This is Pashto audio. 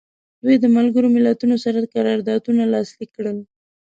دوی د ملګرو ملتونو سره قراردادونه لاسلیک کړل.